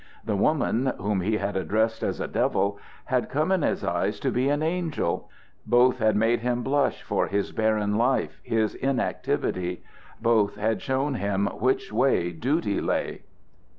The woman, whom he had addressed as a devil, had come in his eyes to be an angel. Both had made him blush for his barren life, his inactivity. Both had shown him which way duty lay.